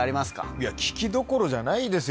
いや、危機どころじゃないですよ。